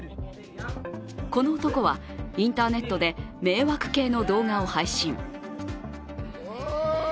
この男は、インターネットで迷惑系の動画を配信。